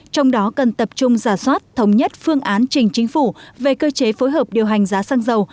trong đó cần tập trung giả soát thống nhất phương án trình chính phủ về cơ chế phối hợp điều hành giá xăng dầu